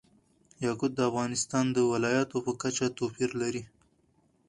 یاقوت د افغانستان د ولایاتو په کچه توپیر لري.